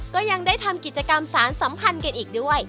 ก็ยังได้ทำกิจกรรมสารสัมพันธ์กันอีกด้วย